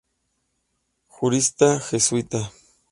Jurista jesuita.